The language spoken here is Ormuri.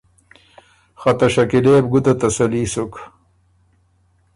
خه ته شکیلۀ يې بو ګُده تسلي سُک۔